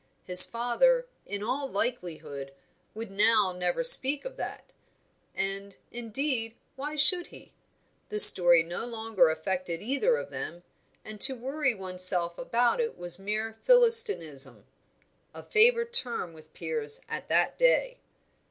His father, in all likelihood, would now never speak of that; and, indeed, why should he? The story no longer affected either of them, and to worry oneself about it was mere "philistinism," a favourite term with Piers at that day.